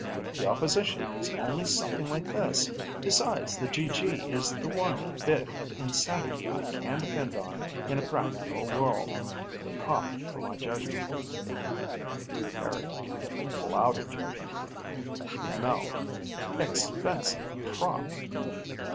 The opposition needs only something like this. Besides, the GG is the one bit of insanity I can depend on in a practical world, the prop for my judgment " Harry: "Clouded judgment." Mel: "Expensive prop."